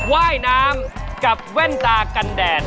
ว่ายน้ำกับเว้นตากันด้วย